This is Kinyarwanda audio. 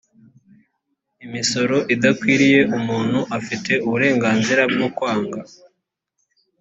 imisoro idakwiriye umuntu afite uburenganzira bwo kwanga